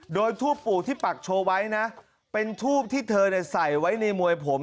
โดยทูปปู่ที่ปักโชว์ไว้นะเป็นทูบที่เธอใส่ไว้ในมวยผม